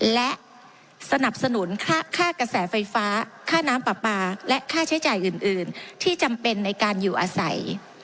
และสนับสนุนค่ากระแสไฟฟ้าค่าน้ำปลาปลาและค่าใช้จ่ายอื่นที่จำเป็นในการอยู่อาศัย